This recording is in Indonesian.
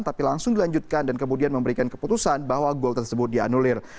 tapi langsung dilanjutkan dan kemudian memberikan keputusan bahwa gol tersebut dianulir